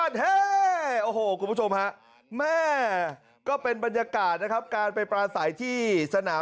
ตัวเหมือนกันพี่เบิ๊รดแล้วถ้าเกิดว่า